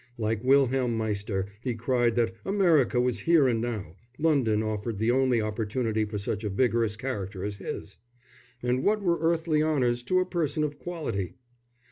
Like Wilhelm Meister he cried that America was here and now; London offered the only opportunity for such a vigorous character as his. And what were earthly honours to a person of quality?